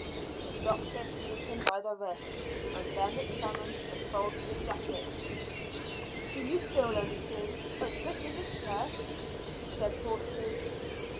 The doctor seized him by the wrist, and then examined the fold of the jacket. "Do you feel anything a prick in the chest?" he said hoarsely.